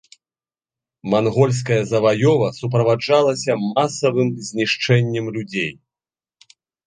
Мангольская заваёва суправаджалася масавым знішчэннем людзей.